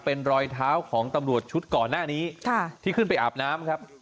เป็นรอยเท้าของตำรวจชุดก่อนหน้านี้ที่ขึ้นไปอาบน้ำครับ